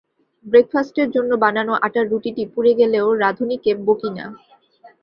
Break ফাস্টের জন্য বানানো আটার রুটিটি পুড়ে গেলেও রাঁধুনিকে বকি না।